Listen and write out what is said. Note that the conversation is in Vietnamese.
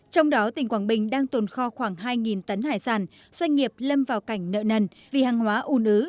trong đó tỉnh quảng bình đang tồn kho khoảng hai tấn hải sản doanh nghiệp lâm vào cảnh nợ nần vì hàng hóa u nứ